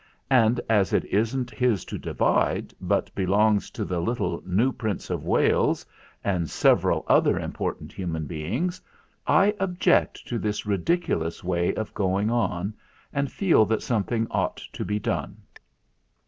And as it isn't his to divide, but belongs to the little new Prince of Wales and several other important human beings, I object to this ridic ulous way of going on and feel that something ought to be done."